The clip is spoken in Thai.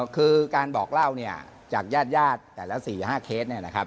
คือการบอกเล่าจากญาติยาดแต่ละ๔๕เคส